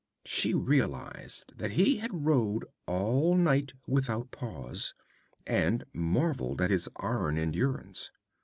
She realized that he had rowed all night without pause, and marvelled at his iron endurance.